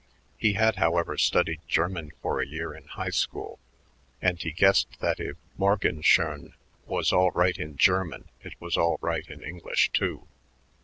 He had, however, studied German for a year in high school, and he guessed that if morgenschön was all right in German it was all right in English, too.